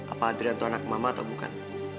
apa adrian itu anak mama atau bukan